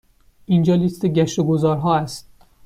اینجا لیست گشت و گذار ها است.